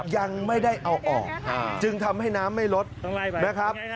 ยังไม่ได้เอาออกจึงทำให้น้ำไม่ลดนะครับ